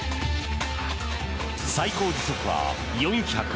最高時速は４０５ｋｍ。